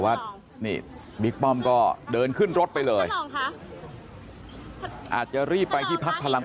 ว่านี่บิ๊กป้อมก็เดินขึ้นรถไปเลยอาจจะรีบไปที่พักพลัง